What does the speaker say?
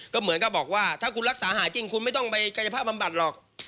ก็เหมือนกับบอกว่าถ้าคุณรักษาหายจริงคุณไม่ต้องไปกายภาพบำบัดหรอก